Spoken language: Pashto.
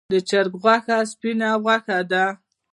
د چرګ غوښه سپینه غوښه ده